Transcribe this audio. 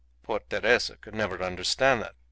Poor Teresa could never understand that.